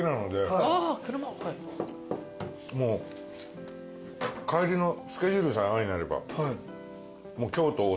もう帰りのスケジュールさえ合うんであれば。